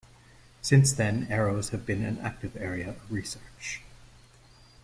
Since then, arrows have been an active area of research.